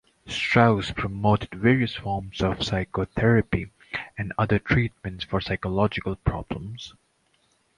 Strauss promoted various forms of psychotherapy and other treatments for psychological problems.